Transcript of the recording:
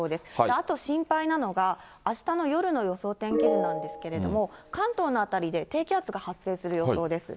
あと心配なのが、あしたの夜の予想天気図なんですけれども、関東の辺りで、低気圧が発生する予想です。